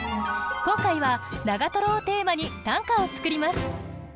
今回は「長」をテーマに短歌を作ります。